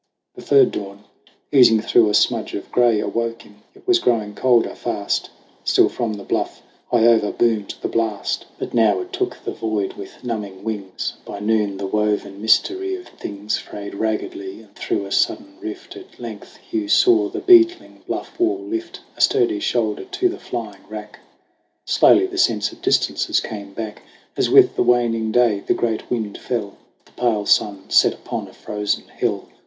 The third dawn, oozing through a smudge of gray, Awoke him. It was growing colder fast. Still from the bluff high over boomed the blast, THE RETURN OF THE GHOST 103 But now it took the void with numbing wings. By noon the woven mystery of things Frayed raggedly, and through a sudden rift At length Hugh saw the beetling bluff wall lift A sturdy shoulder to the flying rack. Slowly the sense of distances came back As with the waning day the great wind fell. The pale sun set upon a frozen hell.